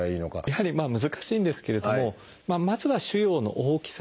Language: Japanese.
やはり難しいんですけれどもまずは腫瘍の大きさですね。